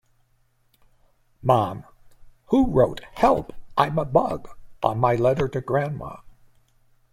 Mom: Who wrote 'Help I'm a bug' on my letter to Grandma?